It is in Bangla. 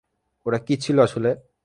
ওটা কী ছিল আসলে?